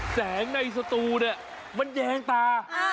แสงในสตูเนี่ยมันแยงตา